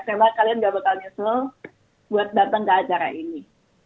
semoga kalian gak bakal nyesel buat datang ke acara ini